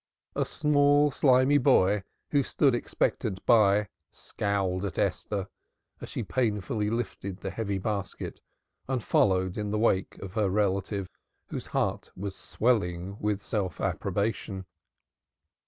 A small slimy boy who stood expectant by scowled at Esther as she painfully lifted the heavy basket and followed in the wake of her relative whose heart was swelling with self approbation.